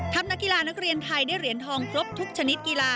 นักกีฬานักเรียนไทยได้เหรียญทองครบทุกชนิดกีฬา